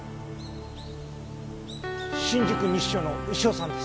新宿西署の牛尾さんです。